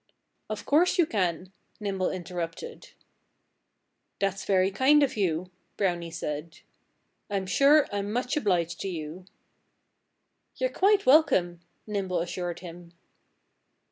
"Of course you can!" Nimble interrupted. "That's very kind of you," Brownie said. "I'm sure I'm much obliged to you." "You're quite welcome," Nimble assured him.